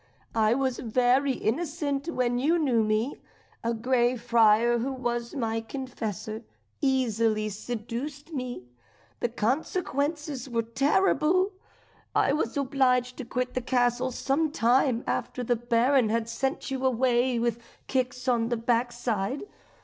I was very innocent when you knew me. A Grey Friar, who was my confessor, easily seduced me. The consequences were terrible. I was obliged to quit the castle some time after the Baron had sent you away with kicks on the backside.